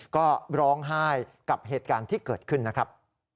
ก็ร้องไห้กับเหตุการณ์ที่เกิดขึ้นนะครับ